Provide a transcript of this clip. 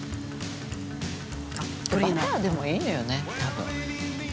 「バターでもいいのよね多分」